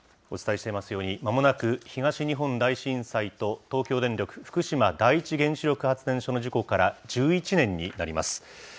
お伝えしていますように、まもなく東日本大震災と、東京電力福島第一原子力発電所の事故から１１年になります。